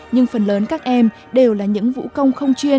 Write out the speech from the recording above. nhưng phần lớn các em đều là những vũ công không chuyên